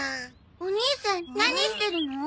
お兄さん何してるの？